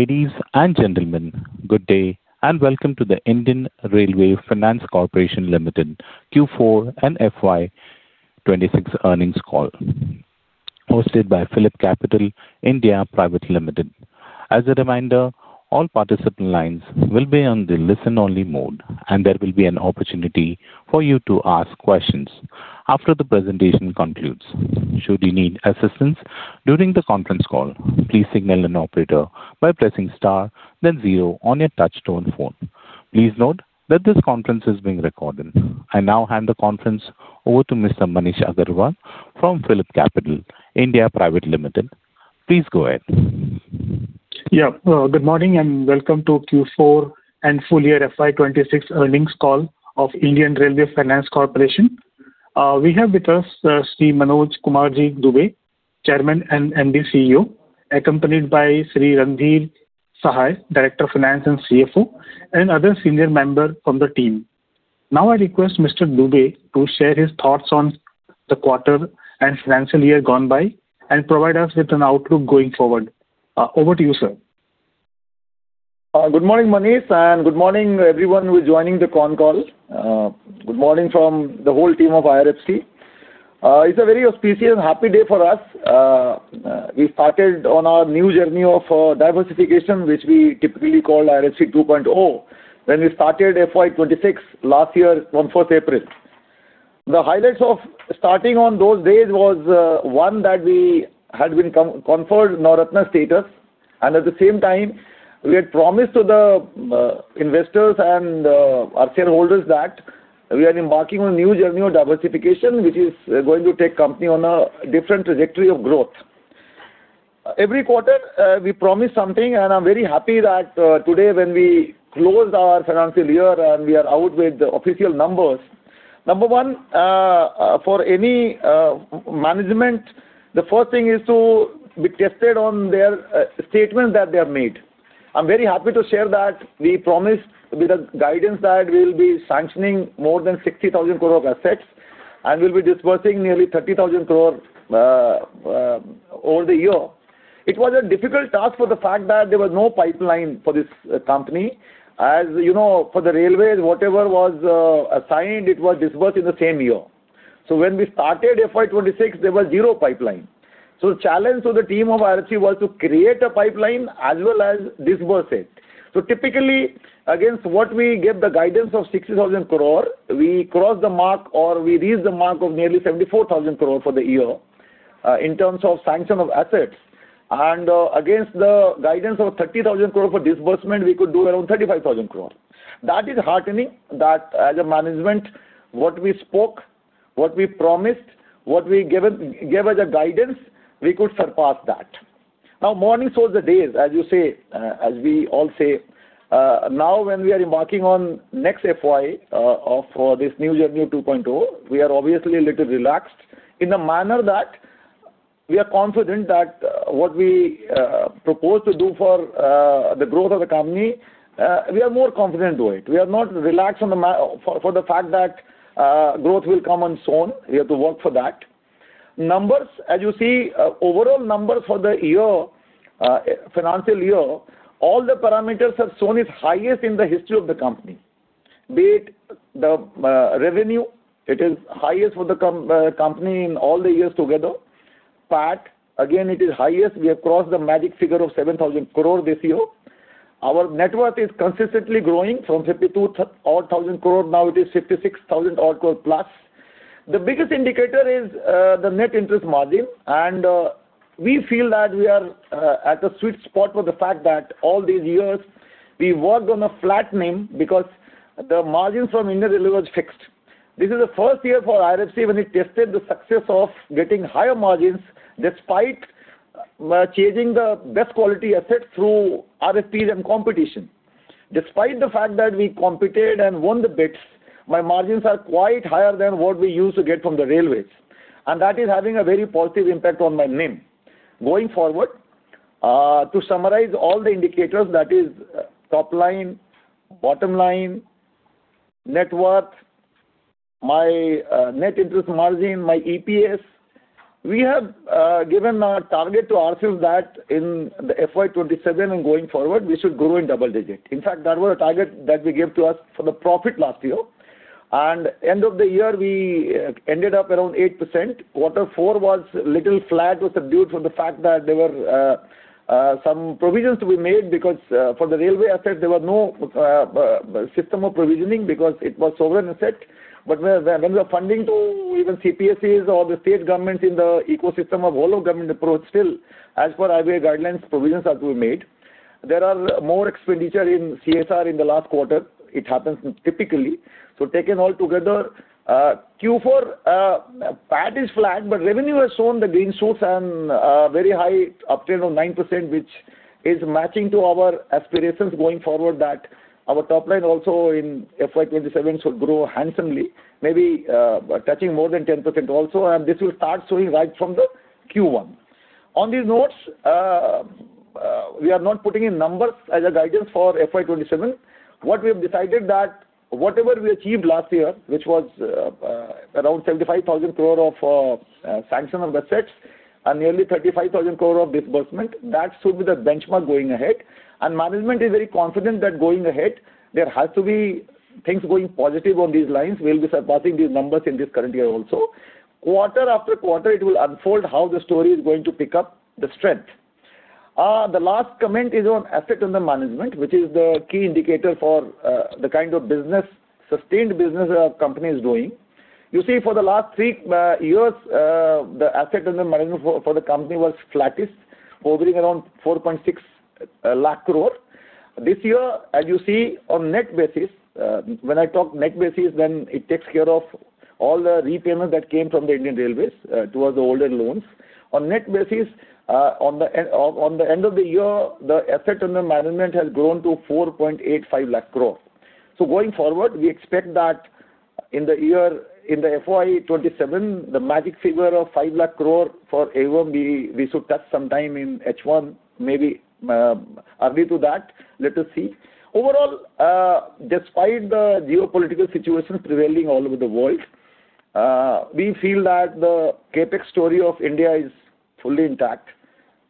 Ladies and gentlemen, good day and welcome to the Indian Railway Finance Corporation Limited Q4 and FY 2026 earnings call hosted by PhillipCapital India Private Limited. As a reminder, all participant lines will be on the listen-only mode and there will be an opportunity for you to ask questions after the presentation concludes. Should you need assistance during the conference call, please signal an operator by pressing star, zero on your touch-tone phone. Please note, this conference is being recorded. I now hand the conference over to Mr. Manish Agarwalla from PhillipCapital India Private Limited. Please go ahead. Good morning and welcome to Q4 and full year FY 2026 earnings call of Indian Railway Finance Corporation. We have with us, Sri Manoj Kumar Dubey, Chairman and MD CEO, accompanied by Sri Randhir Sahay, Director of Finance and CFO, and other senior member from the team. I request Mr. Dubey to share his thoughts on the quarter and financial year gone by and provide us with an outlook going forward. Over to you, sir. Good morning, Manish Agarwalla, and good morning everyone who is joining the con call. Good morning from the whole team of IRFC. It's a very auspicious and happy day for us. We started on our new journey of diversification, which we typically call IRFC 2.0, when we started FY 2026 last year on fourth April. The highlights of starting on those days was one, that we had been conferred Navratna status and at the same time we had promised to the investors and our shareholders that we are embarking on a new journey of diversification, which is going to take company on a different trajectory of growth. Every quarter, we promise something, and I'm very happy that today, when we close our financial year and we are out with the official numbers. Number one, for any management, the first thing is to be tested on their statement that they have made. I'm very happy to share that we promised with a guidance that we'll be sanctioning more than 60,000 crore of assets, and we'll be dispersing nearly 30,000 crore over the year. It was a difficult task for the fact that there was no pipeline for this company. As you know, for the railway, whatever was assigned, it was disbursed in the same year. When we started FY 2026, there was zero pipeline. The challenge to the team of IRFC was to create a pipeline as well as disburse it. Typically, against what we gave the guidance of 60,000 crore, we crossed the mark or we reached the mark of nearly 74,000 crore for the year, in terms of sanction of assets. Against the guidance of 30,000 crore for disbursement, we could do around 35,000 crore. That is heartening that as a management, what we spoke, what we promised, what we gave as a guidance, we could surpass that. Morning shows the days, as you say, as we all say. Now, when we are embarking on next FY, of this new journey 2.0, we are obviously a little relaxed in the manner that we are confident that what we propose to do for the growth of the company, we are more confident to it. We are not relaxed on the fact that growth will come on its own. We have to work for that. Numbers, as you see, overall numbers for the year, financial year, all the parameters have shown its highest in the history of the company. Be it the revenue, it is highest for the company in all the years together. PAT, again, it is highest. We have crossed the magic figure of 7,000 crore this year. Our net worth is consistently growing from 52,000 odd crore, now it is 56,000 odd crore plus. The biggest indicator is the net interest margin, and we feel that we are at a sweet spot for the fact that all these years we worked on a flat NIM because the margin from Indian Railways was fixed. This is the first year for IRFC when it tested the success of getting higher margins despite changing the best quality asset through RFPs and competition. Despite the fact that we competed and won the bids, my margins are quite higher than what we used to get from the railways, and that is having a very positive impact on my NIM. Going forward, to summarize all the indicators, that is, top line, bottom line, net worth, my net interest margin, my EPS, we have given a target to ourselves that in the FY 2027 and going forward, we should grow in double-digit. In fact, that was a target that we gave to us for the profit last year and end of the year we ended up around 8%. Quarter 4 was a little flat was due to the fact that there were some provisions to be made because for the railway asset there were no system of provisioning because it was sovereign asset. Where, when we are funding to even CPSEs or the state governments in the ecosystem of all government approach, still, as per RBI guidelines, provisions are to be made. There are more expenditure in CSR in the last quarter. It happens typically. Taken all together, Q4 PAT is flat, but revenue has shown the green shoots and very high uptrend of 9%, which is matching to our aspirations going forward that our top line also in FY 2027 should grow handsomely, maybe touching more than 10% also, and this will start showing right from the Q1. On these notes, we are not putting in numbers as a guidance for FY 2027. What we have decided that whatever we achieved last year, which was around 75,000 crore of sanction of assets. And nearly 35,000 crore of disbursement. That should be the benchmark going ahead. Management is very confident that going ahead there has to be things going positive on these lines. We'll be surpassing these numbers in this current year also. Quarter after quarter, it will unfold how the story is going to pick up the strength. The last comment is on asset under management, which is the key indicator for the kind of business, sustained business our company is doing. You see, for the last 3 years, the asset under management for the company was flattest, hovering around 4.6 lakh crore. This year, as you see on net basis, when I talk net basis, then it takes care of all the repayment that came from the Indian Railways towards the older loans. On net basis, on the end of the year, the asset under management has grown to 4.85 lakh crore. Going forward, we expect that in the year, in the FY 2027, the magic figure of 5 lakh crore for AUM, we should touch some time in H1, maybe, early to that. Let us see. Overall, despite the geopolitical situation prevailing all over the world, we feel that the CapEx story of India is fully intact.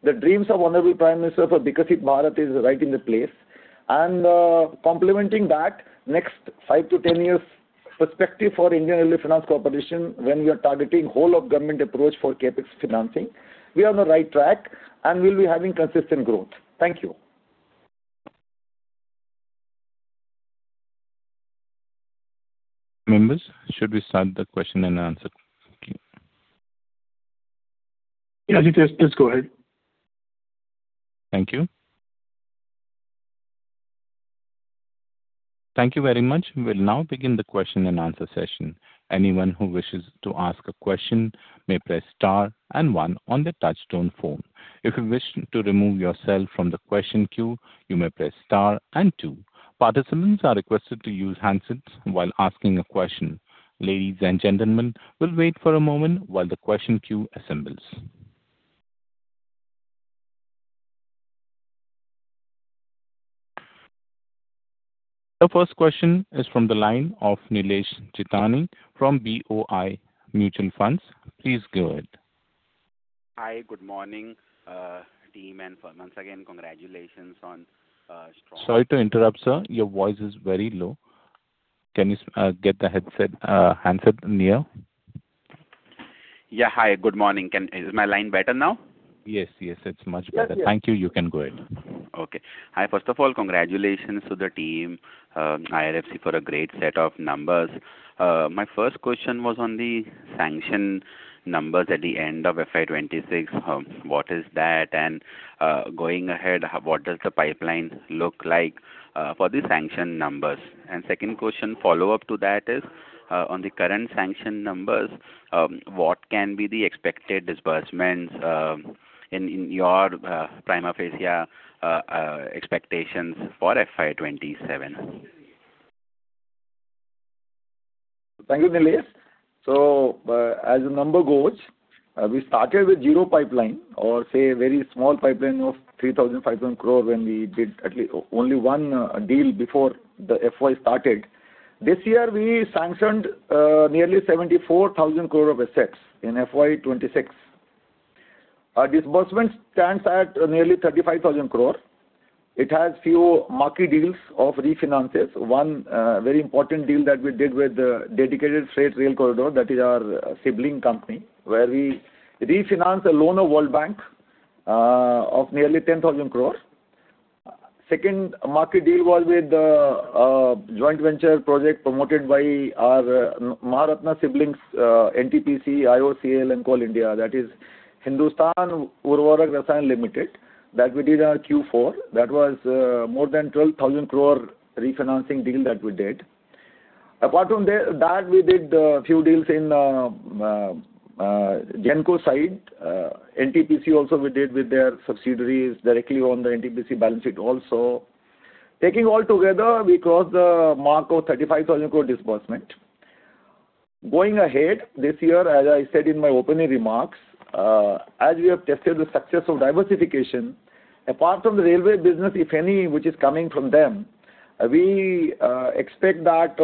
The dreams of Honorable Prime Minister for Viksit Bharat is right in the place. Complementing that next 5 to 10 years perspective for Indian Railway Finance Corporation, when we are targeting whole of government approach for CapEx financing, we are on the right track and we'll be having consistent growth. Thank you. Members, should we start the question and answer? Okay. Yeah, I think just go ahead. Thank you. Thank you very much. The first question is from the line of Nilesh Jethani from BOI Mutual Funds. Please go ahead. Hi, good morning, team. once again, congratulations on. Sorry to interrupt, sir. Your voice is very low. Can you get the headset, handset near? Yeah. Hi, good morning. Is my line better now? Yes. Yes, it's much better. Yes, yes. Thank you. You can go ahead. Okay. Hi. First of all, congratulations to the team, IRFC for a great set of numbers. My first question was on the sanction numbers at the end of FY 2026. What is that? Going ahead, what does the pipelines look like for the sanction numbers? Second question, follow-up to that is on the current sanction numbers, what can be the expected disbursements in your prima facie expectations for FY 2027? Thank you, Nilesh. As the number goes, we started with 0 pipeline or say a very small pipeline of 3,500 crore when we did at least only 1 deal before the FY started. This year we sanctioned nearly 74,000 crore of assets in FY 2026. Our disbursement stands at nearly 35,000 crore. It has few marquee deals of refinances. 1, very important deal that we did with the Dedicated Freight Rail Corridor, that is our sibling company, where we refinanced a loan of World Bank of nearly 10,000 crore. Second marquee deal was with the joint venture project promoted by our Maharatna siblings, NTPC, IOCL and Coal India. That is Hindustan Urvarak & Rasayan Limited that we did our Q4. That was more than 12,000 crore refinancing deal that we did. Apart from that, we did a few deals in Genco side. NTPC also we did with their subsidiaries directly on the NTPC balance sheet also. Taking all together, we crossed the mark of 35,000 crore disbursement. Going ahead this year, as I said in my opening remarks, as we have tested the success of diversification, apart from the railway business, if any, which is coming from them, we expect that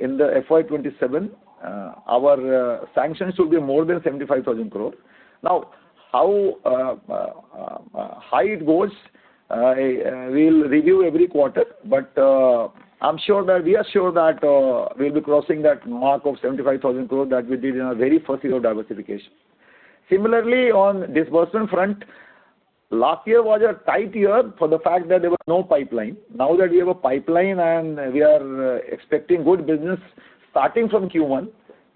in the FY 2027, our sanctions will be more than 75,000 crore. Now, how high it goes, we'll review every quarter, but I'm sure that, we are sure that, we'll be crossing that mark of 75,000 crore that we did in our very first year of diversification. Similarly, on disbursement front, last year was a tight year for the fact that there was no pipeline. Now that we have a pipeline and we are expecting good business starting from Q1,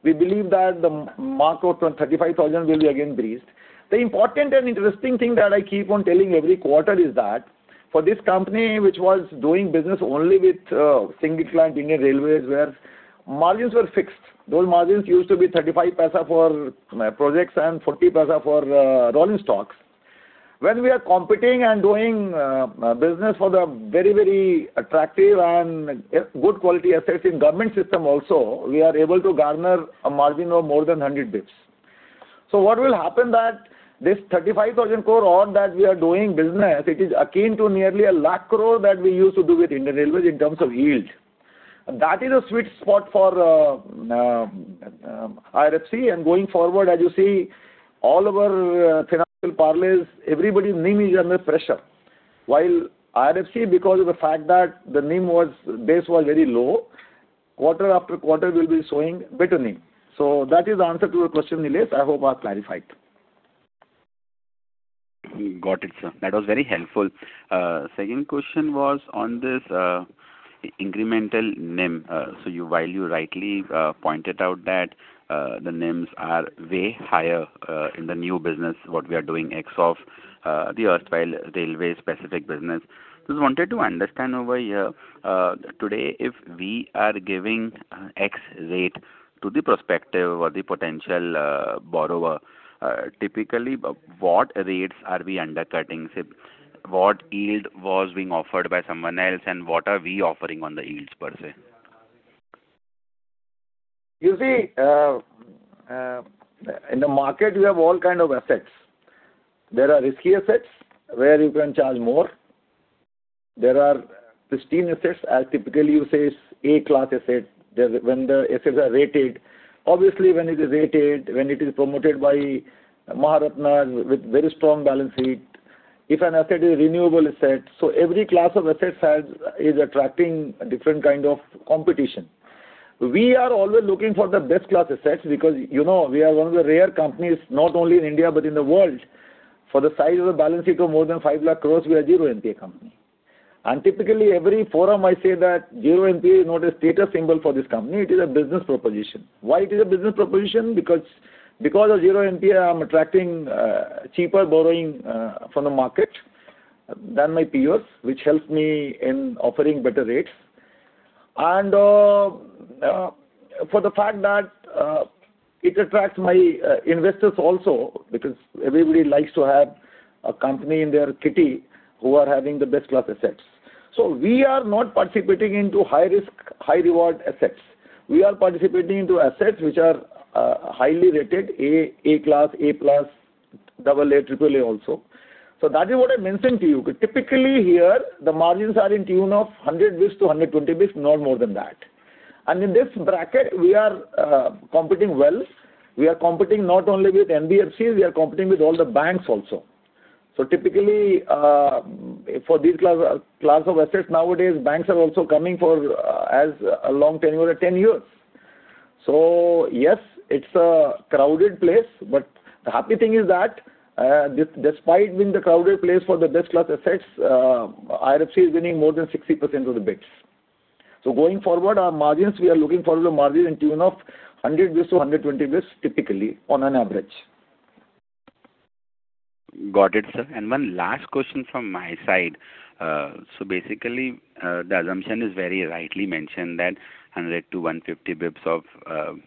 we believe that the mark of 35,000 will be again breached. The important and interesting thing that I keep on telling every quarter is that for this company, which was doing business only with single client, Indian Railways, where margins were fixed. Those margins used to be 0.35 for projects and 0.40 for rolling stocks. When we are competing and doing business for the very, very attractive and good quality assets in government system also, we are able to garner a margin of more than 100 basis points. What will happen that this 35,000 crore odd that we are doing business, it is akin to nearly 1 lakh crore that we used to do with Indian Railways in terms of yield. That is a sweet spot for IRFC. Going forward, as you see all of our financial parlays, everybody's NIM is under pressure. While IRFC because of the fact that the NIM was base was very low, quarter after quarter we'll be showing better NIM. That is the answer to your question, Nilesh. I hope I've clarified. Got it, sir. That was very helpful. Second question was on this incremental NIM. You, while you rightly pointed out that the NIMs are way higher in the new business, what we are doing ex of the erstwhile railway specific business. Just wanted to understand over here, today if we are giving ex rate to the prospective or the potential borrower, typically what rates are we undercutting? Say, what yield was being offered by someone else, and what are we offering on the yields per se? You see, in the market we have all kind of assets. There are risky assets where you can charge more. There are pristine assets as typically you say A class asset. There's When the assets are rated. Obviously, when it is rated, when it is promoted by Maharatna with very strong balance sheet, if an asset is renewable asset. Every class of assets is attracting a different kind of competition. We are always looking for the best class assets because, you know, we are one of the rare companies, not only in India but in the world, for the size of a balance sheet of more than 5 lakh crores, we are zero NPA company. Typically every forum I say that zero NPA is not a status symbol for this company, it is a business proposition. Why it is a business proposition? Because of zero NPA I'm attracting cheaper borrowing from the market than my peers, which helps me in offering better rates. For the fact that it attracts my investors also because everybody likes to have a company in their kitty who are having the best class assets. We are not participating into high risk, high reward assets. We are participating into assets which are highly rated A class, A plus, double A, triple A also. That is what I'm mentioning to you. Typically here the margins are in tune of 100 basis points to 120 basis points, no more than that. In this bracket we are competing well. We are competing not only with NBFCs, we are competing with all the banks also. Typically, for these class of assets nowadays banks are also coming for, as a long tenure of 10 years. Yes, it's a crowded place. The happy thing is that, despite being the crowded place for the best class assets, IRFC is winning more than 60% of the bids. Going forward our margins, we are looking for the margin in tune of 100 bps to 120 bps typically on an average. Got it, sir. One last question from my side. The assumption is very rightly mentioned that 100 to 150 basis points of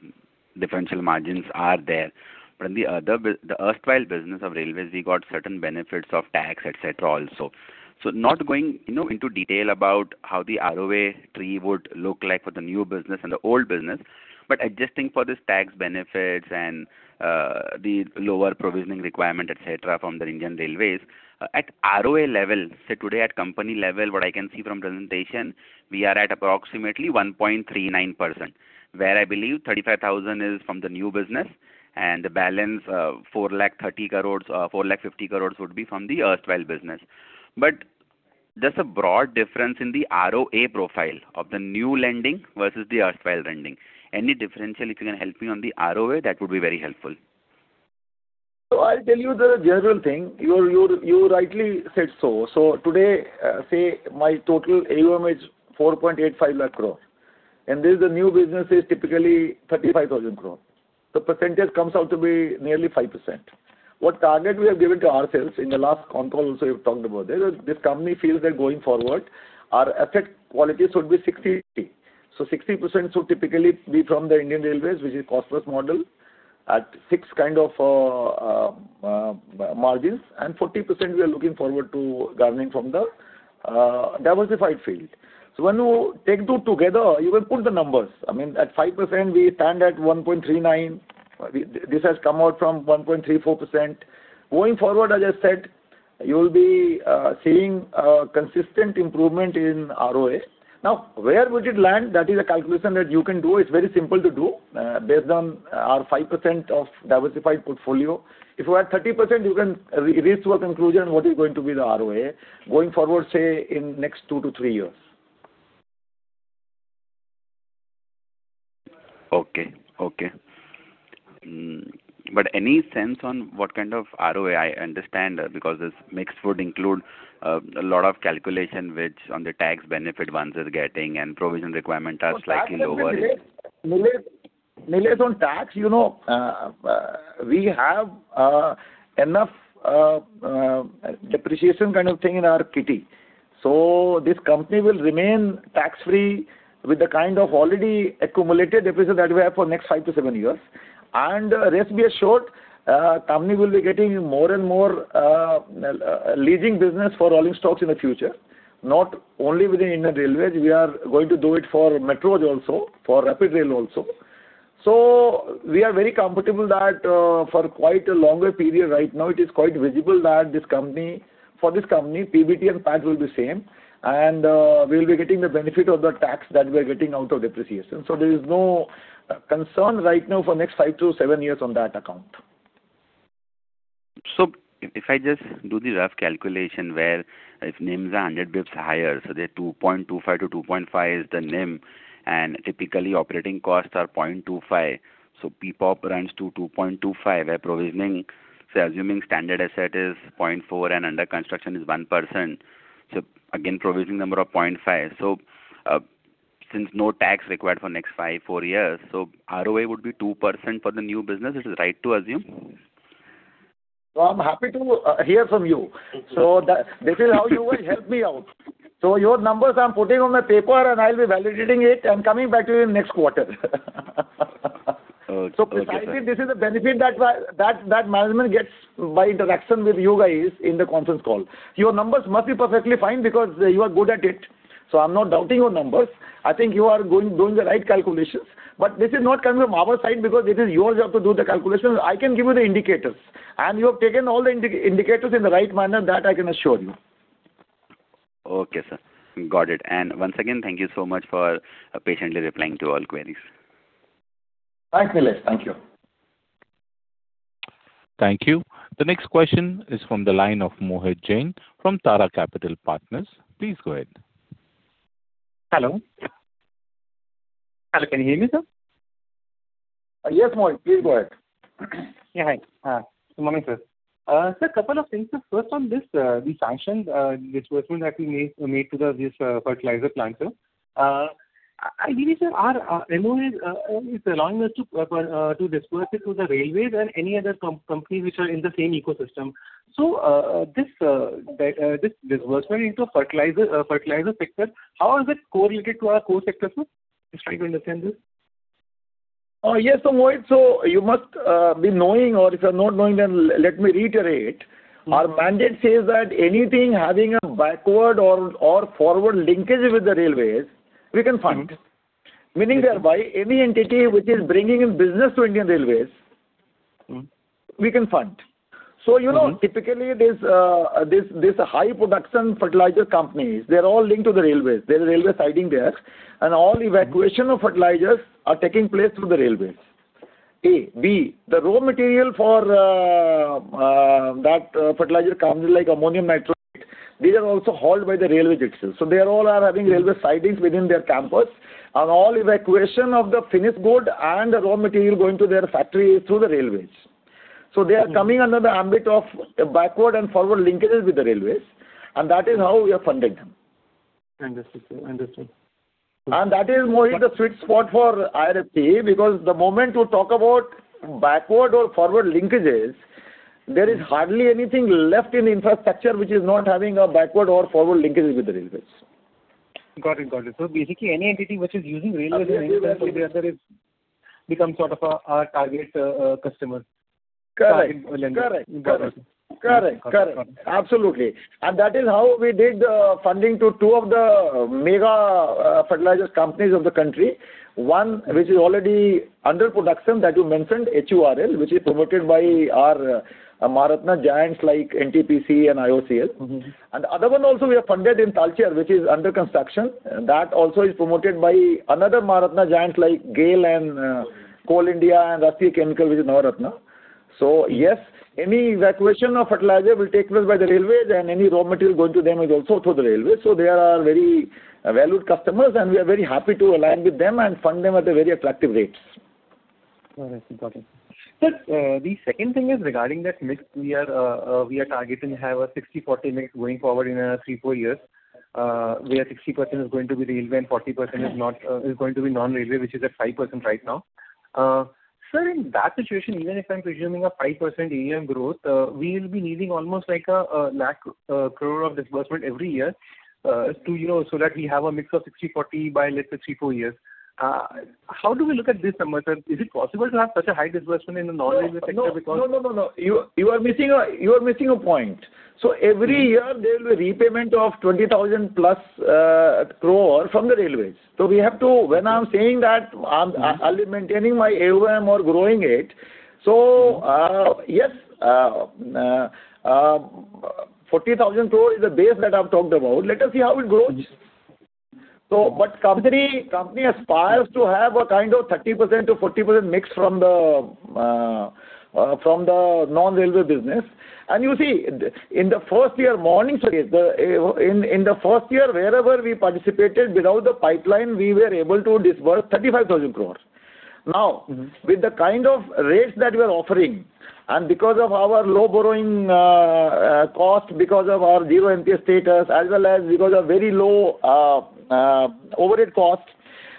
differential margins are there. On the other, the erstwhile business of Indian Railways we got certain benefits of tax et cetera also. Not going, you know, into detail about how the ROA tree would look like for the new business and the old business, but adjusting for this tax benefits and the lower provisioning requirement et cetera from the Indian Railways. At ROA level, say today at company level what I can see from presentation, we are at approximately 1.39%, where I believe 35,000 is from the new business and the balance, 430 crore, 450 crore would be from the erstwhile business. There's a broad difference in the ROA profile of the new lending versus the erstwhile lending. Any differential if you can help me on the ROA, that would be very helpful. I'll tell you the general thing. You rightly said so. Today, say my total AUM is 4.85 lakh crore, and this the new business is typically 35,000 crore. The % comes out to be nearly 5%. What target we have given to ourselves, in the last con call also we've talked about this, that this company feels that going forward our asset quality should be 60%. 60% should typically be from the Indian Railways, which is cost plus model at fixed kind of margins, and 40% we are looking forward to garnering from the diversified field. When you take two together, you will put the numbers. I mean at 5% we stand at 1.39. This has come out from 1.34%. Going forward, as I said, you'll be seeing a consistent improvement in ROA. Where would it land? That is a calculation that you can do. It's very simple to do, based on our 5% of diversified portfolio. If you add 30% you can re-reach to a conclusion what is going to be the ROA going forward, say in next 2 to 3 years. Okay. Okay. Any sense on what kind of ROA? I understand, because this mix would include a lot of calculation which on the tax benefit one is getting and provision requirement are slightly lower. Nilesh, on tax, you know, we have enough depreciation kind of thing in our kitty. So this company will remain tax-free with the kind of already accumulated deposits that we have for next 5-7 years. Rest be assured, company will be getting more and more leasing business for rolling stocks in the future. Not only within Indian Railways, we are going to do it for metros also, for rapid rail also. So we are very comfortable that for quite a longer period right now, it is quite visible that for this company, PBT and PAT will be same, and we'll be getting the benefit of the tax that we're getting out of depreciation. So there is no concern right now for next 5-7 years on that account. If I just do the rough calculation where if NIMs are 100 basis points higher, they're 2.25-2.5 is the NIM, and typically operating costs are 0.25. PPOP runs to 2.25 where provisioning, say, assuming standard asset is 0.4 and under construction is 1%. Again, provisioning number of 0.5. Since no tax required for next 5, 4 years, ROA would be 2% for the new business. It is right to assume? I'm happy to hear from you. Okay. That this is how you will help me out. Your numbers I'm putting on my paper, and I'll be validating it and coming back to you in next quarter. Okay. Precisely this is the benefit that management gets by interaction with you guys in the conference call. Your numbers must be perfectly fine because you are good at it, so I'm not doubting your numbers. I think you are doing the right calculations. This is not coming from our side because it is your job to do the calculation. I can give you the indicators, and you have taken all the indicators in the right manner. That I can assure you. Okay, sir. Got it. Once again, thank you so much for patiently replying to all queries. Thanks, Nilesh. Thank you. Thank you. The next question is from the line of Mohit Jain from Tara Capital Partners. Please go ahead. Hello? Hello, can you hear me, sir? Yes, Mohit. Please go ahead. Yeah, hi. Good morning, sir. Sir, couple of things. First on this, the sanctions, disbursement that we made to the, this, fertilizer plant, sir. Ideally, sir, our MOA is allowing us to disburse it to the Railways and any other companies which are in the same ecosystem. This disbursement into fertilizer sector, how is it correlated to our core sector, sir? I'm trying to understand this. Yes. Mohit, so you must be knowing or if you're not knowing, then let me reiterate. Our mandate says that anything having a backward or forward linkage with the railways, we can fund. Meaning thereby any entity which is bringing in business to Indian Railways. We can fund. You know, typically these high production fertilizer companies, they're all linked to the railways. There are railway siding there, and all evacuation of fertilizers are taking place through the railways, A, B, the raw material for that fertilizer comes like ammonium nitrate. These are also hauled by the railway itself. They all are having railway sidings within their campus and all evacuation of the finished good and the raw material going to their factory is through the railways. They are coming under the ambit of backward and forward linkages with the railways, and that is how we are funding them. Understood, sir. Understood. That is Mohit the sweet spot for IRFC because the moment you talk about backward or forward linkages, there is hardly anything left in infrastructure which is not having a backward or forward linkages with the railways. Got it. Basically any entity which is using railway in any sense or the other. Absolutely Becomes sort of a target, customer. Correct. Target link. Correct. Got it. Correct. Correct. Got it. Got it. Absolutely. That is how we did funding to two of the mega fertilizers companies of the country. One which is already under production that you mentioned, HURL, which is promoted by our Maharatna giants like NTPC and IOCL. The other one also we have funded in Talcher, which is under construction. That also is promoted by another Maharatna giant like GAIL and Coal India and Rashtriya Chemicals and Fertilizers, which is Navratna. Yes, any evacuation of fertilizer will take place by the railways and any raw material going to them is also through the railways. They are our very valued customers and we are very happy to align with them and fund them at a very attractive rates. All right. Got it. Sir, the second thing is regarding that mix we are targeting have a 60-40 mix going forward in 3, 4 years, where 60% is going to be railway and 40% is going to be non-railway, which is at 5% right now. Sir, in that situation, even if I'm presuming a 5% AUM growth, we will be needing almost like 1 lakh crore of disbursement every year, to, you know, so that we have a mix of 60-40 by let's say 3, 4 years. How do we look at this number, sir? Is it possible to have such a high disbursement in the non-railway sector? No, no, no. You are missing a point. Every year there will be repayment of 20,000+ crore from the Indian Railways. When I am saying that I am maintaining my AUM or growing it. Yes, 40,000 crore is the base that I've talked about. Let us see how it grows. Company aspires to have a kind of 30%-40% mix from the non-railway business. You see, morning, sorry, in the first year, wherever we participated without the pipeline, we were able to disburse 35,000 crore. With the kind of rates that we are offering and because of our low borrowing cost, because of our zero NPA status, as well as because of very low overhead costs,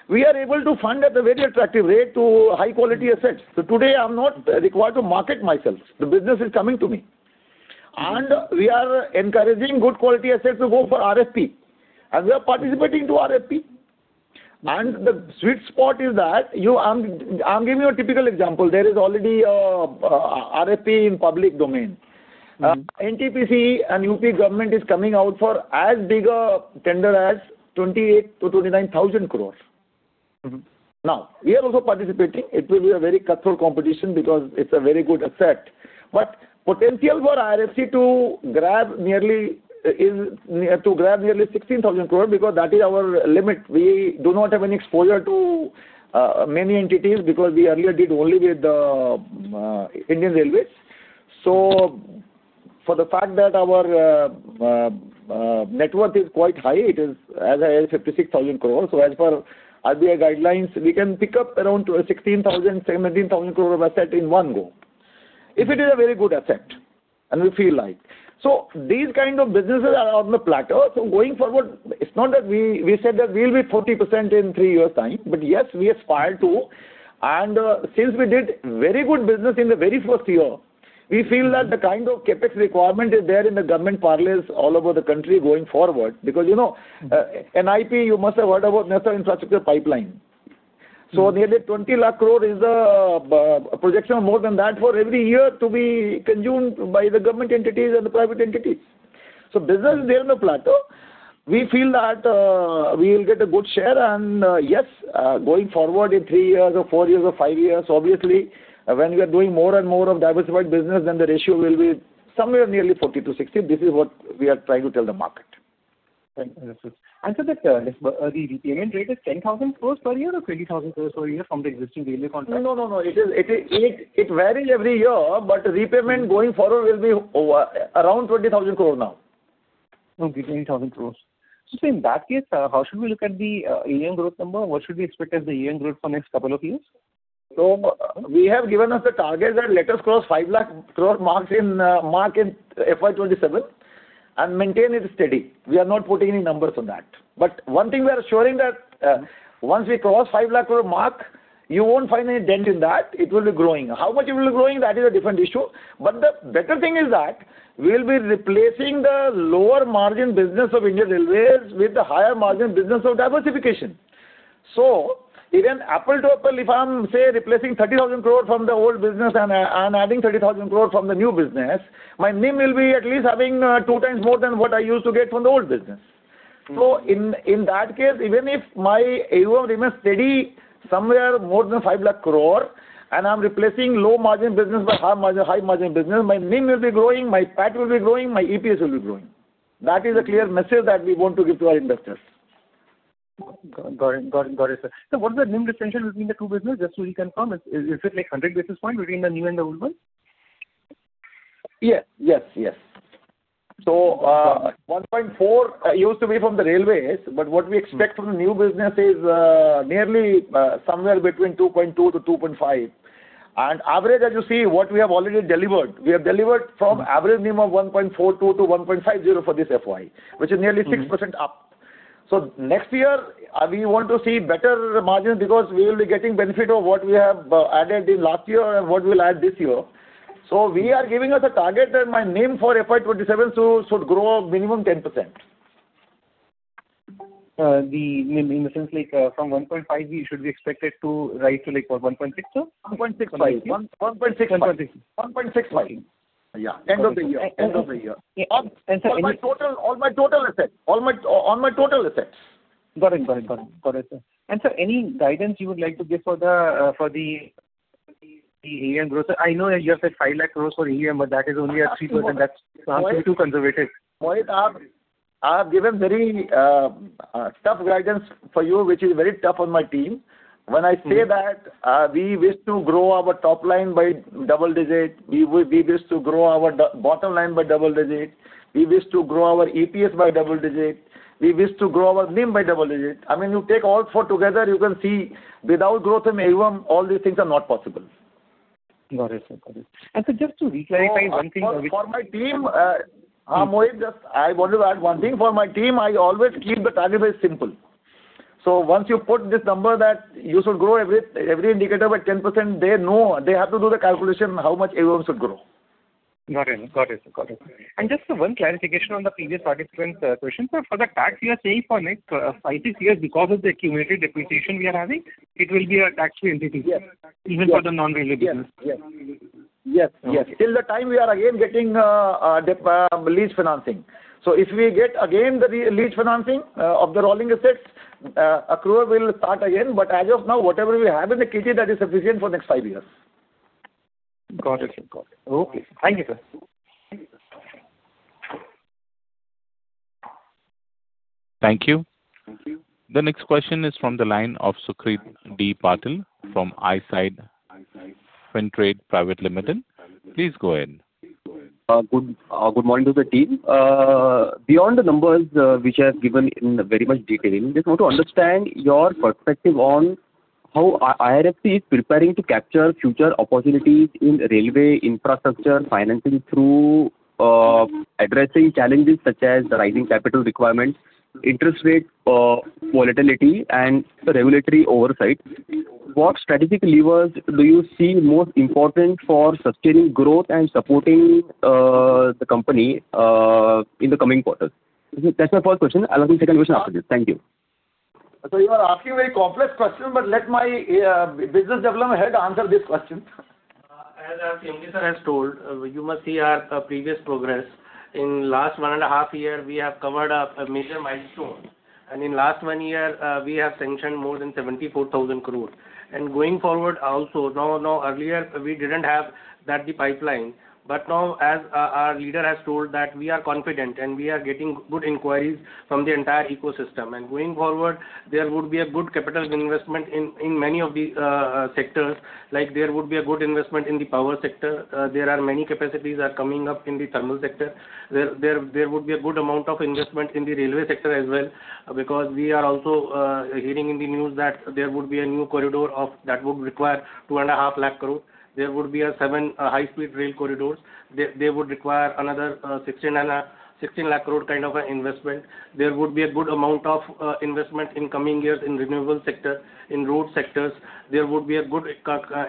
we are able to fund at a very attractive rate to high quality assets. Today I'm not required to market myself. The business is coming to me. We are encouraging good quality assets to go for RFP, and we are participating to RFP. The sweet spot is that I'm giving you a typical example. There is already a RFP in public domain. NTPC and U.P. government is coming out for as big a tender as 28,000 crores-29,000 crores. We are also participating. It will be a very cutthroat competition because it's a very good asset. Potential for IRFC to grab nearly 16,000 crore because that is our limit. We do not have any exposure to many entities because we earlier did only with Indian Railways. For the fact that our net worth is quite high, it is as high as 56,000 crore. As per RBI guidelines, we can pick up around 16,000, 17,000 crore of asset in one go. If it is a very good asset and we feel like. These kind of businesses are on the platter. Going forward, it's not that we said that we'll be 40% in three years' time, but yes, we aspire to. Since we did very good business in the very first year, we feel that the kind of CapEx requirement is there in the government parlays all over the country going forward. You know, NIP, you must have heard about National Infrastructure Pipeline. Nearly 20 lakh crore is a projection of more than that for every year to be consumed by the government entities and the private entities. Business is there on the platter. We feel that we will get a good share and yes, going forward in three years or four years or five years, obviously, when we are doing more and more of diversified business, then the ratio will be somewhere nearly 40 to 60. This is what we are trying to tell the market. Thank you. The repayment rate is 10,000 crore per year or 20,000 crore per year from the existing Railway contract? No, no. It is, it varies every year, but repayment going forward will be around 20,000 crore now. Okay, 20,000 crore. Sir, in that case, how should we look at the AUM growth number? What should we expect as the AUM growth for next couple of years? We have given us the target that let us cross 5 lakh crore marks in FY 2027 and maintain it steady. We are not putting any numbers on that. One thing we are assuring that once we cross 5 lakh crore mark, you won't find any dent in that. It will be growing. How much it will be growing, that is a different issue. The better thing is that we will be replacing the lower margin business of Indian Railways with the higher margin business of diversification. Even apple to apple, if I'm, say, replacing 30,000 crore from the old business and adding 30,000 crore from the new business, my NIM will be at least having 2x more than what I used to get from the old business. In that case, even if my AUM remains steady somewhere more than 5 lakh crore and I'm replacing low margin business by high margin business, my NIM will be growing, my PAT will be growing, my EPS will be growing. That is a clear message that we want to give to our investors. Got it. Got it. Got it, sir. What is the NIM differential between the two businesses, just so we can confirm? Is it like 100 basis point between the new and the old one? Yes. Yes. Yes. 1.4 used to be from the railways, but what we expect from the new business is nearly somewhere between 2.2 to 2.5. Average, as you see, what we have already delivered, we have delivered from average NIM of 1.42 to 1.50 for this FY, which is nearly 6% up. Next year, we want to see better margins because we will be getting benefit of what we have added in last year and what we'll add this year. We are giving us a target that my NIM for FY 2027 should grow minimum 10%. The NIM in the sense like, from 1.5%, we should be expected to rise to like what, 1.6%, sir? 1.65. 1.6. 1.65. 1.65. Yeah. End of the year. End of the year. Sir. All my total assets. All my total assets. Got it. Got it. Got it. Got it, sir. Sir, any guidance you would like to give for the AUM growth? I know you have said INR 5 lakh crores for AUM, but that is only at 3%. That's perhaps too conservative. Mohit, I've given very tough guidance for you, which is very tough on my team. When I say that, we wish to grow our top line by double digit, we wish to grow our bottom line by double digit, we wish to grow our EPS by double digit, we wish to grow our NIM by double digit. I mean, you take all four together, you can see without growth in AUM, all these things are not possible. Got it, sir. Got it. Sir, just to re-clarify one thing. For my team, Mohit, just I want to add one thing. For my team, I always keep the target very simple. Once you put this number that you should grow every indicator by 10%, they know they have to do the calculation how much AUM should grow. Got it. Got it, sir. Got it. Just one clarification on the previous participant's question. Sir, for the tax we are paying for next five, six years because of the cumulative depreciation we are having, it will be a tax free entity. Yes. Even for the non-railway business. Yes. Yes. Yes. Yes. Till the time we are again getting lease financing. If we get again the lease financing of the rolling assets, accrual will start again. As of now, whatever we have in the kitty, that is sufficient for next five years. Got it, sir. Got it. Okay. Thank you, sir. Thank you. The next question is from the line of Sucrit D. Patil from Eyesight Fintrade Private Limited. Please go ahead. Good morning to the team. Beyond the numbers, which you have given in very much detail, I just want to understand your perspective on how IRFC is preparing to capture future opportunities in railway infrastructure financing through addressing challenges such as the rising capital requirements, interest rate volatility and regulatory oversight. What strategic levers do you see most important for sustaining growth and supporting the company in the coming quarters? That's my first question. I'll ask the second question after this. Thank you. You are asking very complex question, but let my business development head answer this question. As CMD sir has told, you must see our previous progress. In last one and a half year, we have covered up a major milestone, and in last 1 year, we have sanctioned more than 74,000 crore. Going forward also, now earlier, we didn't have that the pipeline, but now, as our leader has told that we are confident and we are getting good inquiries from the entire ecosystem. Going forward, there would be a good capital investment in many of the sectors. Like, there would be a good investment in the power sector. There are many capacities are coming up in the thermal sector. There would be a good amount of investment in the railway sector as well because we are also hearing in the news that there would be a new corridor that would require 2.5 lakh crore. There would be 7 high-speed rail corridors. They would require another 16 lakh crore kind of a investment. There would be a good amount of investment in coming years in renewable sector, in road sectors. There would be a good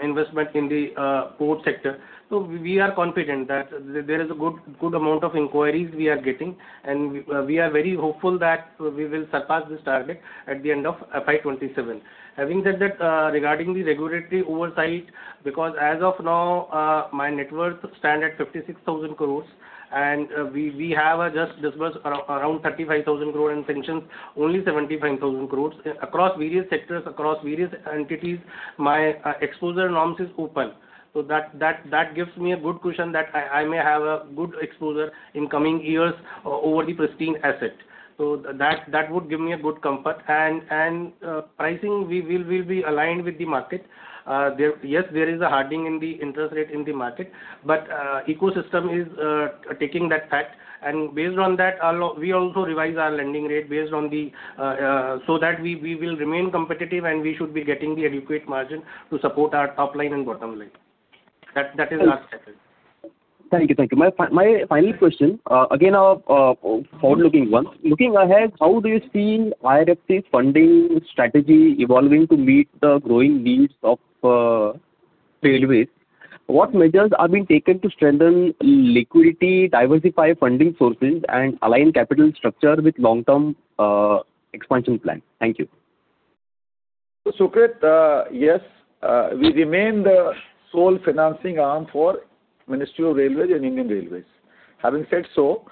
investment in the port sector. We are confident that there is a good amount of inquiries we are getting, and we are very hopeful that we will surpass this target at the end of FY 2027. Having said that, regarding the regulatory oversight, because as of now, my net worth stand at 56,000 crores and we have just disbursed around 35,000 crore and sanctioned only 75,000 crores. Across various sectors, across various entities, my exposure norms is open. That gives me a good cushion that I may have a good exposure in coming years over the pristine asset. That would give me a good comfort. And pricing, we will be aligned with the market. Yes, there is a hardening in the interest rate in the market, but ecosystem is taking that fact, and based on that, we also revise our lending rate based on the so that we will remain competitive and we should be getting the adequate margin to support our top line and bottom line. That is our strategy. Thank you. Thank you. My final question, again, a forward-looking one. Looking ahead, how do you see IRFC's funding strategy evolving to meet the growing needs of railways? What measures are being taken to strengthen liquidity, diversify funding sources, and align capital structure with long-term expansion plan? Thank you. Sukrit, yes, we remain the sole financing arm for Ministry of Railways and Indian Railways. Having said so,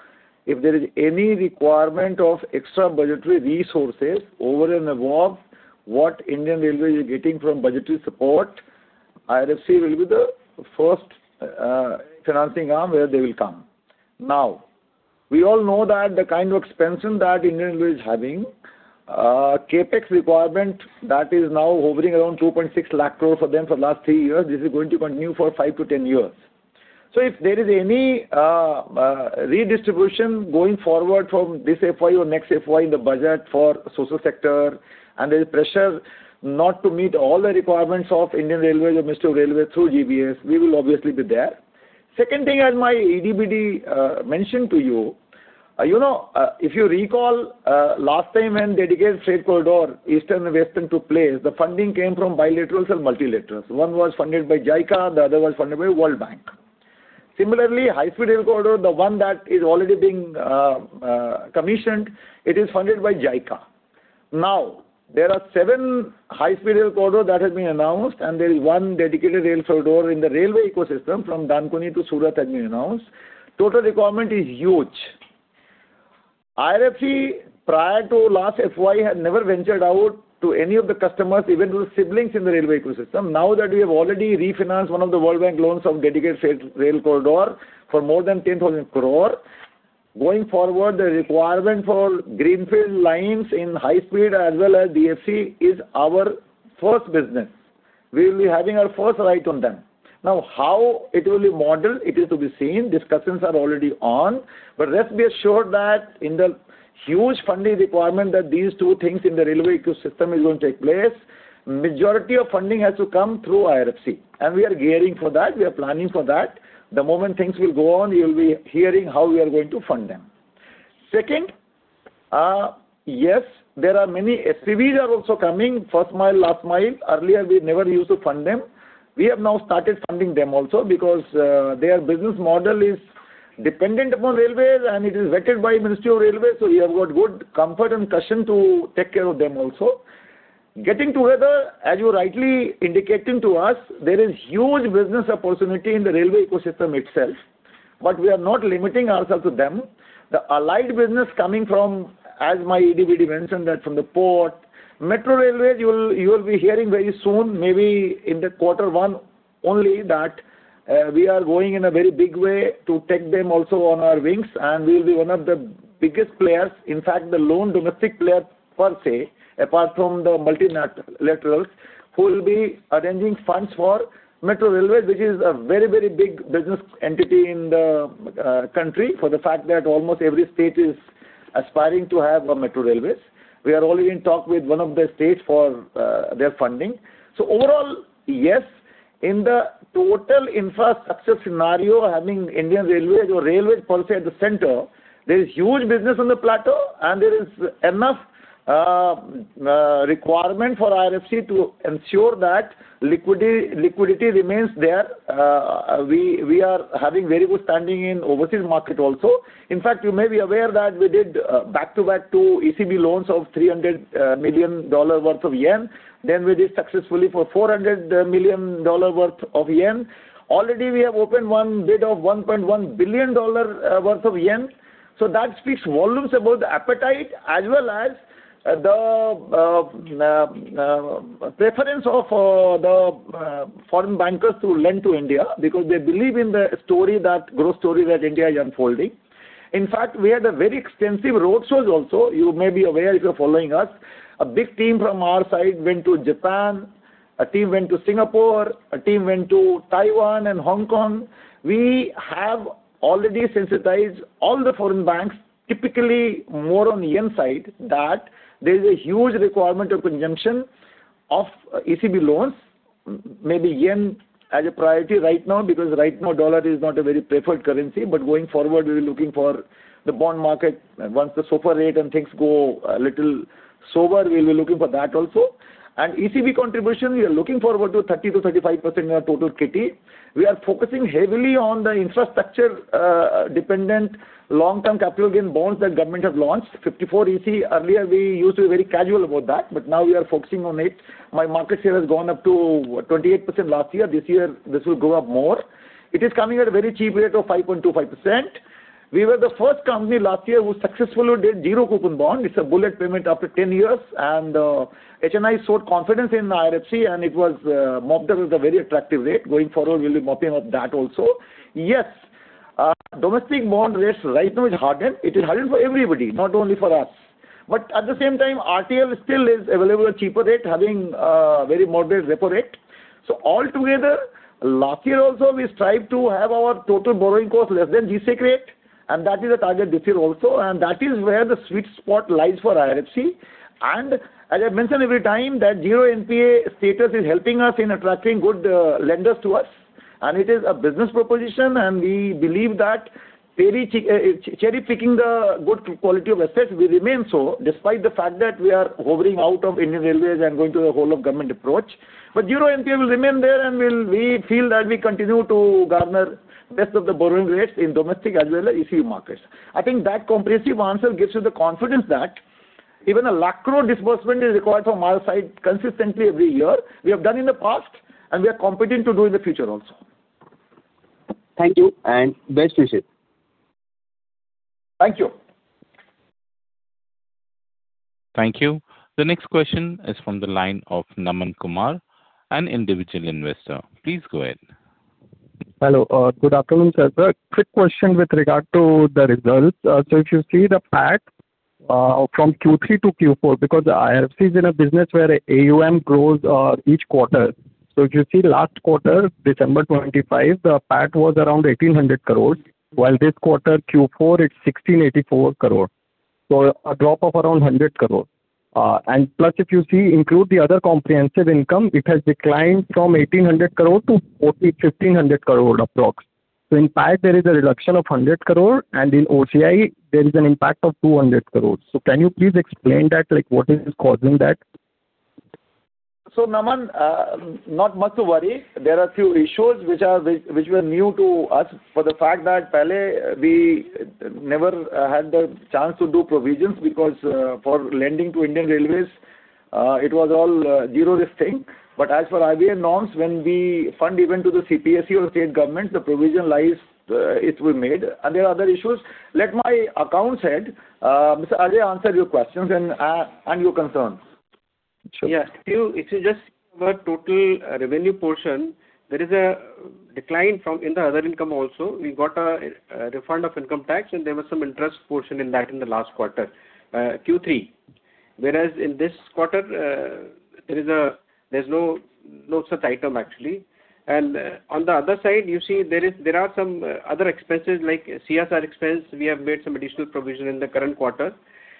if there is any requirement of extra budgetary resources over and above what Indian Railways is getting from budgetary support, IRFC will be the first financing arm where they will come. We all know that the kind of expansion that Indian Railways is having, CapEx requirement, that is now hovering around 2.6 lakh crore for them for last 3 years. This is going to continue for 5-10 years. If there is any redistribution going forward from this FY or next FY in the budget for social sector and there is pressure not to meet all the requirements of Indian Railways or Ministry of Railways through GBS, we will obviously be there. Second thing, as my ED BD mentioned to you know, if you recall, last time when Dedicated Freight Corridor Eastern and Western took place, the funding came from bilaterals and multilaterals. One was funded by JICA, the other was funded by World Bank. Similarly, high-speed rail corridor, the one that is already being commissioned, it is funded by JICA. There are 7 high-speed rail corridor that has been announced, and there is 1 dedicated rail corridor in the railway ecosystem from Dankuni to Surat that has been announced. Total requirement is huge. IRFC, prior to last FY, had never ventured out to any of the customers, even to the siblings in the railway ecosystem. Now that we have already refinanced 1 of the World Bank loans of Dedicated Freight Corridor for more than 10,000 crore, going forward, the requirement for greenfield lines in high speed as well as DFC is our first business. We will be having our first right on them. Now, how it will be modeled, it is to be seen. Discussions are already on. Rest be assured that in the huge funding requirement that these 2 things in the railway ecosystem is going to take place, majority of funding has to come through IRFC, and we are gearing for that. We are planning for that. The moment things will go on, you'll be hearing how we are going to fund them. Second, yes, there are many SPVs are also coming, first mile, last mile. Earlier, we never used to fund them. We have now started funding them also because their business model is dependent upon railways and it is vetted by Ministry of Railways, so we have got good comfort and cushion to take care of them also. Getting together, as you are rightly indicating to us, there is huge business opportunity in the railway ecosystem itself, but we are not limiting ourselves to them. The allied business coming from, as my ED BD mentioned that from the port. Metro railways, you will be hearing very soon, maybe in the quarter 1 only, that we are going in a very big way to take them also on our wings, and we'll be one of the biggest players, in fact, the lone domestic player per se, apart from the multilaterals, who will be arranging funds for metro railways, which is a very, very big business entity in the country for the fact that almost every state is aspiring to have a metro railways. We are already in talk with one of the states for their funding. Overall, yes, in the total infrastructure scenario, having Indian Railways or railways per se at the center, there is huge business on the plateau and there is enough requirement for IRFC to ensure that liquidity remains there. We are having very good standing in overseas market also. In fact, you may be aware that we did back-to-back two ECB loans of JPY 300 million worth of yen. We did successfully for JPY 400 million worth of yen. Already, we have opened one bid of JPY 1.1 billion worth of yen. That speaks volumes about the appetite as well as the preference of the foreign bankers to lend to India because they believe in the story that growth story that India is unfolding. In fact, we had a very extensive roadshows also. You may be aware if you're following us. A big team from our side went to Japan, a team went to Singapore, a team went to Taiwan and Hong Kong. We have already sensitized all the foreign banks, typically more on yen side, that there is a huge requirement of consumption of ECB loans, maybe yen as a priority right now because right now dollar is not a very preferred currency. Going forward, we'll be looking for the bond market. Once the SOFR rate and things go a little sober, we'll be looking for that also. ECB contribution, we are looking forward to 30%-35% in our total kitty. We are focusing heavily on the infrastructure dependent long-term capital gain bonds that government have launched. Section 54EC earlier we used to be very casual about that, but now we are focusing on it. My market share has gone up to 28% last year. This year this will go up more. It is coming at a very cheap rate of 5.25%. We were the first company last year who successfully did zero-coupon bond. It's a bullet payment after 10 years, and HNI showed confidence in IRFC, and it was mopped up with a very attractive rate. Going forward, we'll be mopping up that also. Yes, domestic bond rates right now is hardened. It is hardened for everybody, not only for us. At the same time, RTL still is available at cheaper rate, having a very moderate repo rate. Altogether, last year also we strive to have our total borrowing cost less than G-Sec rate, and that is a target this year also, and that is where the sweet spot lies for IRFC. As I mentioned every time, that zero NPA status is helping us in attracting good lenders to us, and it is a business proposition. We believe that cherry-picking the good quality of assets will remain so, despite the fact that we are hovering out of Indian Railways and going to a whole of government approach. Zero NPA will remain there, and we feel that we continue to garner best of the borrowing rates in domestic as well as ECB markets. I think that comprehensive answer gives you the confidence that even an INR 1 lakh crore disbursement is required from our side consistently every year. We have done in the past, and we are competent to do in the future also. Thank you and best wishes. Thank you. Thank you. The next question is from the line of Naman Kumar, an individual investor. Please go ahead. Hello. Good afternoon, sir. Quick question with regard to the results. If you see the PAT, from Q3 to Q4, because IRFC is in a business where AUM grows, each quarter. If you see last quarter, December 25, the PAT was around 1,800 crore, while this quarter, Q4, it's 1,684 crore. A drop of around 100 crore. Plus, if you see include the other comprehensive income, it has declined from 1,800 crore to only 1,500 crore approx. In PAT there is a reduction of 100 crore and in OCI there is an impact of 200 crore. Can you please explain that, like what is causing that? Naman, not much to worry. There are few issues which were new to us for the fact that pehle we never had the chance to do provisions because for lending to Indian Railways, it was all zero-risking. As per IBA norms, when we fund even to the CPSE or state government, the provision lies, it will made. There are other issues. Let my accounts head, Mr. Ajay answer your questions and your concerns. Sure. Yes. If you, if you just have a total revenue portion, there is a decline from in the other income also. We got a refund of income tax and there was some interest portion in that in the last quarter, Q3. Whereas in this quarter, there's no such item actually. On the other side you see there are some other expenses like CSR expense. We have made some additional provision in the current quarter.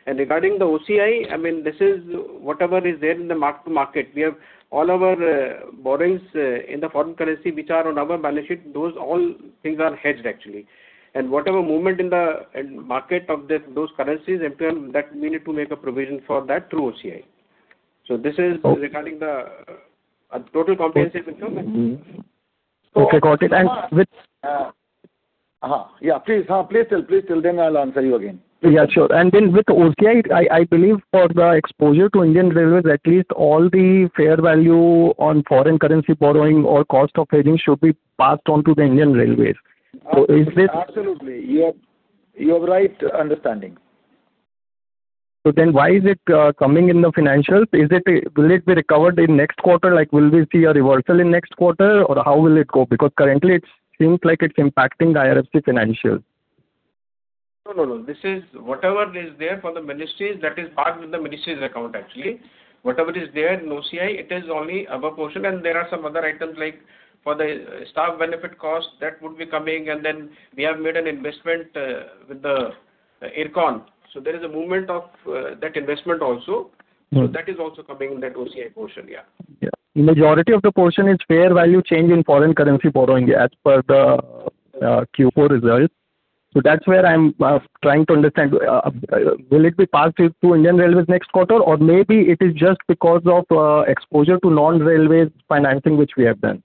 Regarding the OCI, I mean this is whatever is there in the mark to market. We have all our borrowings in the foreign currency which are on our balance sheet. Those all things are hedged actually. Whatever movement in the market of those currencies imply that we need to make a provision for that through OCI. This is regarding the total comprehensive income. Okay. Got it. Uh-huh. Yeah, please. Please tell. Please tell, then I'll answer you again. Yeah, sure. With OCI I believe for the exposure to Indian Railways, at least all the fair value on foreign currency borrowing or cost of hedging should be passed on to the Indian Railways. Is this? Absolutely. You have right understanding. Why is it coming in the financials? Will it be recovered in next quarter? Like, will we see a reversal in next quarter or how will it go? Because currently it seems like it's impacting the IRFC financials. No, no. This is whatever is there for the ministries that is part of the ministries account actually. Whatever is there in OCI it is only our portion and there are some other items like for the staff benefit cost that would be coming and then we have made an investment with the IRCON. There is a movement of that investment also. That is also coming in that OCI portion. Yeah. Yeah. Majority of the portion is fair value change in foreign currency borrowing as per the Q4 results. That's where I'm trying to understand. Will it be passed to Indian Railways next quarter or maybe it is just because of exposure to non-railways financing which we have done.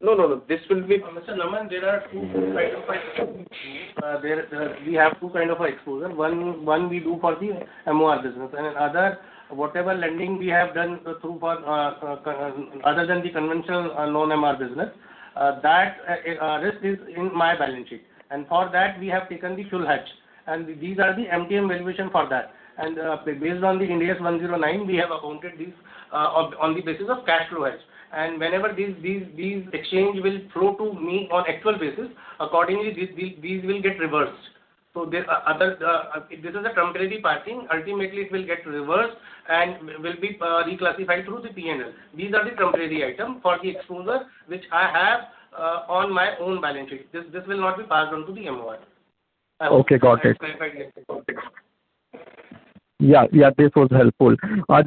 No, no. This will be Mr. Naman, there are two kind of exposure. There we have two kind of exposure. One we do for the MOR business, and another, whatever lending we have done through for other than the conventional loan MOR business, that risk is in my balance sheet. For that, we have taken the full hedge, and these are the MTM valuation for that. Based on the Ind AS 109, we have accounted this on the basis of cash flows. Whenever these exchange will flow to me on actual basis, accordingly, these will get reversed. Other, this is a temporary passing. Ultimately, it will get reversed and will be reclassified through the P&L. These are the temporary item for the exposure which I have on my own balance sheet. This will not be passed on to the MOR. Okay. Got it. I hope I have clarified this. Got it. Yeah, yeah, this was helpful.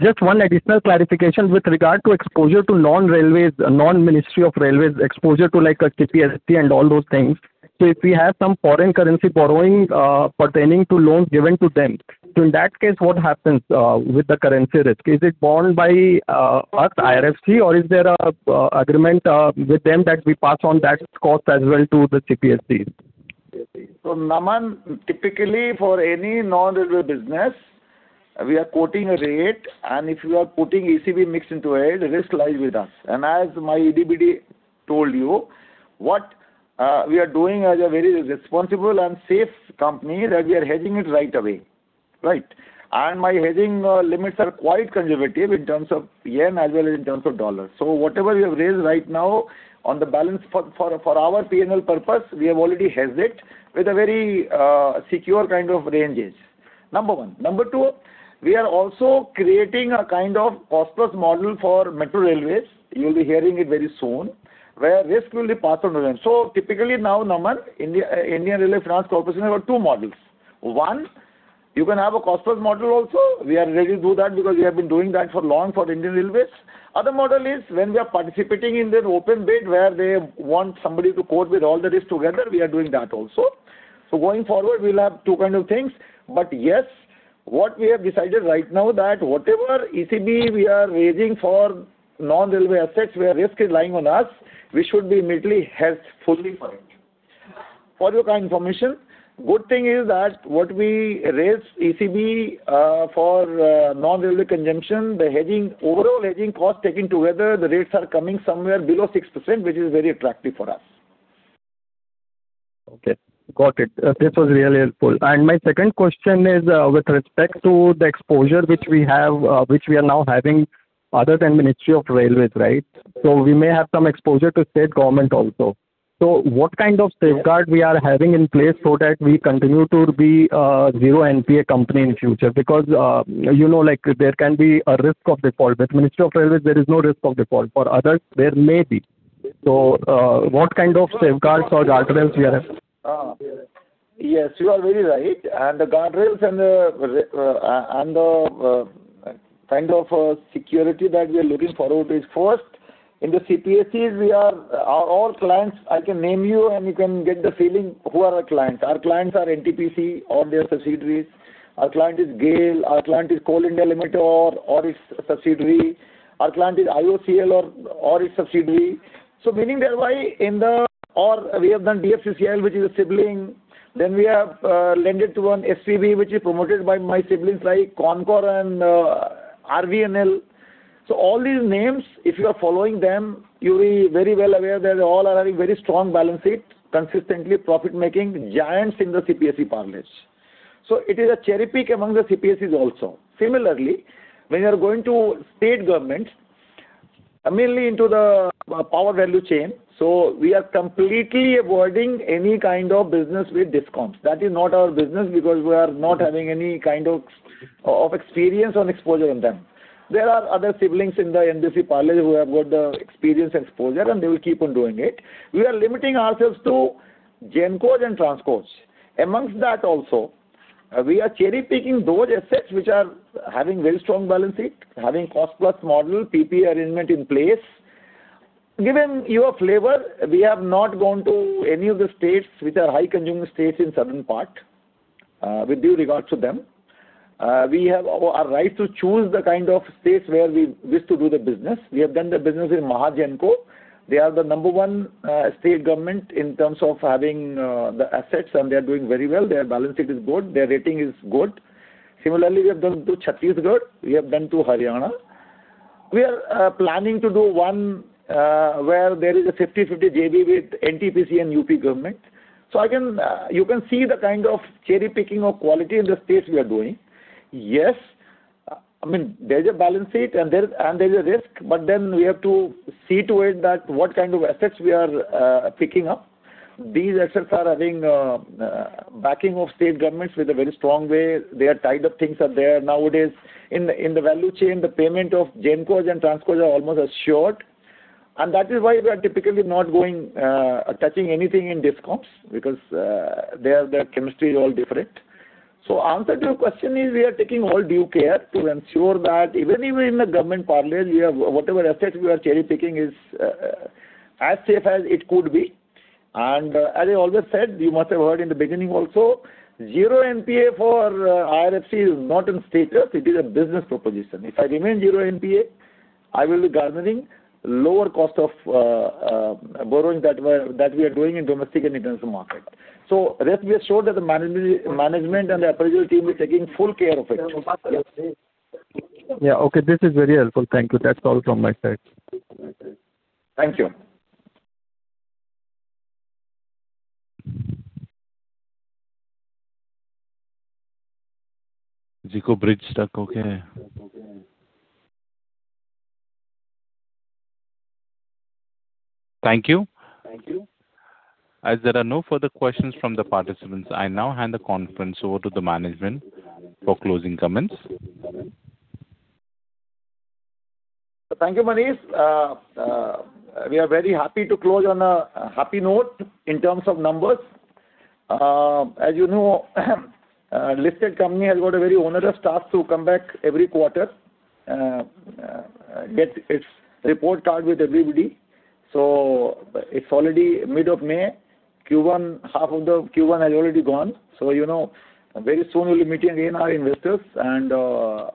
Just one additional clarification with regard to exposure to non-railways, non-Ministry of Railways exposure to like a CPSE and all those things. If we have some foreign currency borrowing pertaining to loans given to them, in that case, what happens with the currency risk? Is it borne by us, IRFC, or is there a agreement with them that we pass on that cost as well to the CPSE? Naman, typically for any non-railway business, we are quoting a rate, and if you are putting ECB mix into it, risk lies with us. As my EDBD told you, what we are doing as a very responsible and safe company that we are hedging it right away. Right. My hedging limits are quite conservative in terms of JPY as well as in terms of USD. Whatever we have raised right now on the balance for our P&L purpose, we have already hedged it with a very secure kind of ranges. Number one. Number two, we are also creating a kind of cost-plus model for metro railways. You'll be hearing it very soon, where risk will be passed on to them. Typically now, Naman, Indian Railway Finance Corporation have two models. One, you can have a cost-plus model also. We are ready to do that because we have been doing that for long for Indian Railways. Other model is when we are participating in their open bid where they want somebody to quote with all the risk together, we are doing that also. Going forward, we'll have 2 kind of things. Yes, what we have decided right now that whatever ECB we are raising for non-railway assets where risk is lying on us, we should be immediately hedged fully for it. For your kind information, good thing is that what we raise ECB for non-railway consumption, the hedging, overall hedging cost taken together, the rates are coming somewhere below 6%, which is very attractive for us. Okay. Got it. This was really helpful. My second question is, with respect to the exposure which we have, which we are now having other than Ministry of Railways, right? We may have some exposure to state government also. What kind of safeguard we are having in place so that we continue to be a zero NPA company in future? Because, you know, like there can be a risk of default. With Ministry of Railways, there is no risk of default. For others, there may be. What kind of safeguards or guardrails we are having? Yes, you are very right. The guardrails and the kind of security that we are looking for out is first, in the CPSEs we are all clients. I can name you, and you can get the feeling who are our clients. Our clients are NTPC, all their subsidiaries. Our client is GAIL. Our client is Coal India Limited or its subsidiary. Our client is IOCL or its subsidiary. Meaning thereby in the Or we have done DFCCIL, which is a sibling. We have lended to one SPV, which is promoted by my siblings like CONCOR and RVNL. All these names, if you are following them, you'll be very well aware that they all are having very strong balance sheet, consistently profit-making giants in the CPSE parlance. It is a cherry-pick among the CPSEs also. Similarly, when you are going to state governments, mainly into the power value chain, we are completely avoiding any kind of business with DISCOMs. That is not our business because we are not having any kind of experience or exposure in them. There are other siblings in the NBFC parlance who have got the experience exposure, and they will keep on doing it. We are limiting ourselves to Genco and Transcos. Amongst that also, we are cherry-picking those assets which are having very strong balance sheet, having cost-plus model, PPA arrangement in place. Given your flavor, we have not gone to any of the states which are high consuming states in southern part, with due regards to them. We have our right to choose the kind of states where we wish to do the business. We have done the business in MahaGenco. They are the number one state government in terms of having the assets, they are doing very well. Their balance sheet is good. Their rating is good. Similarly, we have done to Chhattisgarh. We have done to Haryana. We are planning to do one where there is a 50/50 JV with NTPC and UP government. Again, you can see the kind of cherry-picking of quality in the states we are doing. Yes, I mean, there's a balance sheet and there's a risk, we have to see to it that what kind of assets we are picking up. These assets are having backing of state governments with a very strong way. Their tied-up things are there nowadays. In the value chain, the payment of Gencos and Transcos are almost assured. That is why we are typically not going, touching anything in DISCOMs because their chemistry is all different. Answer to your question is we are taking all due care to ensure that even if we're in the government parlance, whatever assets we are cherry-picking is as safe as it could be. As I always said, you must have heard in the beginning also, zero NPA for IRFC is not in status, it is a business proposition. If I remain zero NPA, I will be garnering lower cost of borrowing that we are doing in domestic and international market. Rest we are sure that the management and the appraisal team is taking full care of it. Yeah, okay. This is very helpful. Thank you. That is all from my side. Thank you. Jico bridge stuck. Okay. Thank you. Thank you. As there are no further questions from the participants, I now hand the conference over to the management for closing comments. Thank you, Manish. We are very happy to close on a happy note in terms of numbers. As you know, listed company has got a very onerous task to come back every quarter, get its report card with everybody. It's already mid of May. Q1, half of the Q1 has already gone. You know, very soon we'll be meeting again our investors. The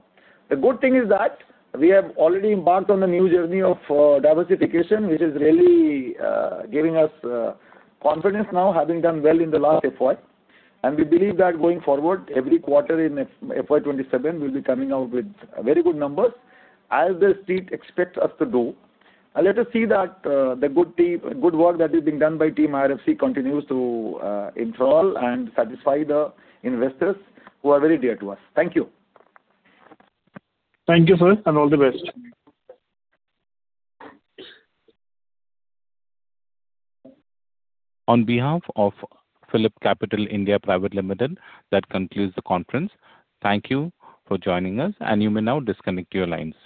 good thing is that we have already embarked on a new journey of diversification, which is really giving us confidence now, having done well in the last FY. We believe that going forward, every quarter in FY 2027, we'll be coming out with very good numbers as the street expects us to do. Let us see that the good work that is being done by team IRFC continues to enthrall and satisfy the investors who are very dear to us. Thank you. Thank you, sir, and all the best. On behalf of PhillipCapital India Private Limited, that concludes the conference. Thank you for joining us, and you may now disconnect your lines.